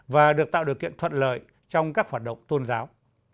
và được tạo điều kiện thuận lợi trong các hoạt động tôn giáo